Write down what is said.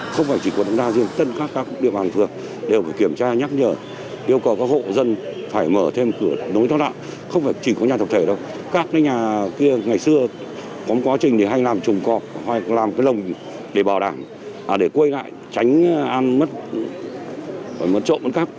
các nhà kia ngày xưa có một quá trình hay làm trùng cò hay làm cái lồng để bảo đảm để quây lại tránh ăn mất mất chỗ mất cách